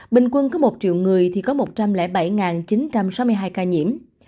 bình quân có một triệu người thì có một trăm linh bảy chín trăm sáu mươi hai ca nhiễm